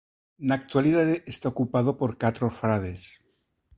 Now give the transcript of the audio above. Na actualidade está ocupado por catro frades.